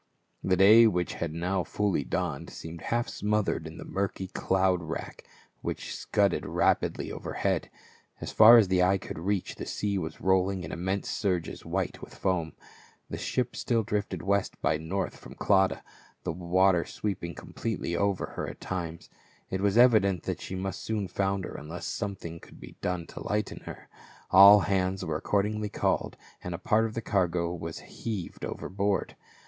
The day which had now fully dawned seemed half smothered in the murky cloud rack which scudded rapidly overhead ; as far as the eye could reach, the sea was rolling in immense surges white with foam. The ship still drifted west by north from Clauda, the water sweeping completely over her at times ; it was evident that she must soon founder unless something could be done to lighten her. All hands were accord ingly called and a part of the cargo was heaved over board.